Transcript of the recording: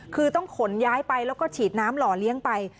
คือต้องขนย้ายไปแล้วก็ฉีดน้ำหล่อเลี้ยงไป